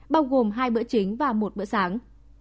bao gồm hai bữa chính và một bữa sáng